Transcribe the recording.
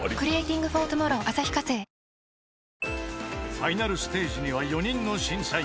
［ファイナルステージには４人の審査員］